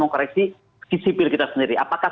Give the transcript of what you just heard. mengkoreksi sipil kita sendiri apakah